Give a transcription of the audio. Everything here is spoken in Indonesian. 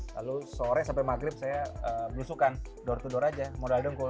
lalu sore sampai maghrib saya belusukan door to door aja modal dengkul